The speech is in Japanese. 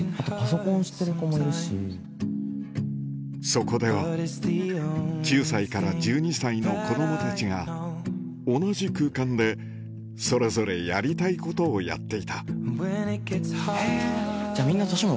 Ｈｅｌｌｏ．Ｈｅｌｌｏ．そこでは９歳から１２歳の子供たちが同じ空間でそれぞれやりたいことをやっていたえ。